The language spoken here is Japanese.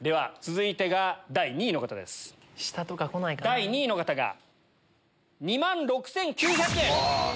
第２位の方が２万６９００円。